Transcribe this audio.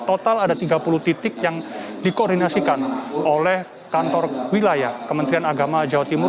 total ada tiga puluh titik yang dikoordinasikan oleh kantor wilayah kementerian agama jawa timur